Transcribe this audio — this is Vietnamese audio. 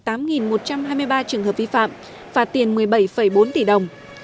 trường hợp vi phạm phạt tiền một mươi bảy bốn tỷ đồng